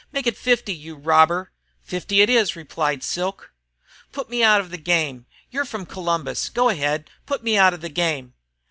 Make it fifty, you robber!" "Fifty it is!" replied Silk. "Put me out of the game! You're from Columbus! Go ahead! put me out of the game!"